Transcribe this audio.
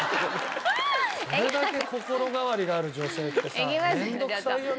これだけ心変わりがある女性ってさ面倒くさいよね。